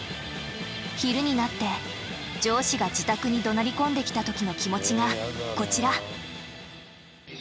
昼になって上司が自宅に怒鳴り込んできたときの気持ちがこちら。